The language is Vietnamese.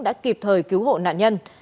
đã kịp thời cứu hộ nạn nhân